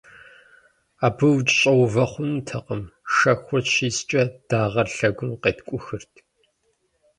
Абы укӏэщӏэувэ хъунутэкъым - шэхур щискӀэ, дагъэр лъэгум къеткӀухырт.